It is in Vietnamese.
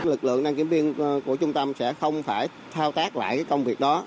lực lượng đăng kiểm viên của trung tâm sẽ không phải thao tác lại công việc đó